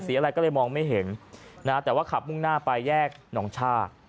อะไรก็เลยมองไม่เห็นนะฮะแต่ว่าขับมุ่งหน้าไปแยกหนองชา